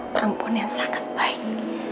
perempuan yang sangat baik